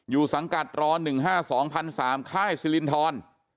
อยู่สังกัดร้อนหนึ่งห้าสองพันสามค่ายซิลินทร